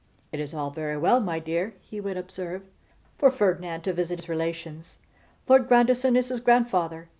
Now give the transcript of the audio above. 'It is all very well, my dear,' he would observe, 'for Ferdinand to visit his relations. Lord Grandison is his grandfather.